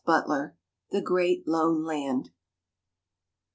Butler: "The Great Lone Land."